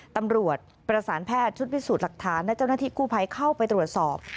ตำรวจประสานแพทย์ชุดพิสูจน์หลักฐานและเจ้าหน้าที่กู้ภัยเข้าไปตรวจสอบ